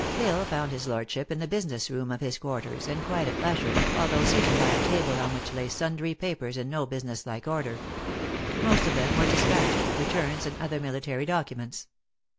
L Isle found his lordship in the business room of his quarters, and quite at leisure, although seated by a table on which lay sundry papers in no business like order. Most of them were despatches, returns and other military documents.